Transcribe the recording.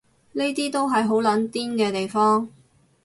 呢啲都係好撚癲嘅地方